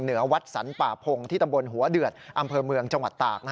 เหนือวัดสรรป่าพงศ์ที่ตำบลหัวเดือดอำเภอเมืองจังหวัดตาก